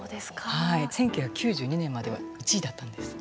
１９９２年までは１位だったんです。